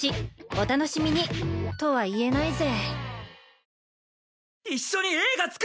お楽しみに！とは言えないぜ。